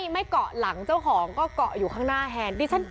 ไม่เกาะหลังเจ้าของก็เกาะอยู่ข้างหน้าแทน